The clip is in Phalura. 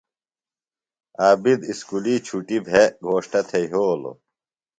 عابد اُسکُلیۡ چُٹیۡ بھےۡ گھوݜٹہ تھےۡ یھولوۡ ۔